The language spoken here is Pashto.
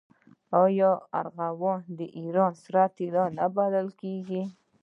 آیا زعفران د ایران سره طلا نه بلل کیږي؟